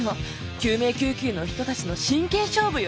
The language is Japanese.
救命救急の人たちの真剣勝負よ！